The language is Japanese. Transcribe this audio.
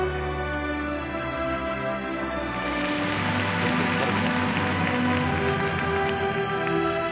トリプルサルコウ。